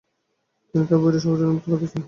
তিনি তার বইটি সবার জন্য উম্মুক্ত করতে চান।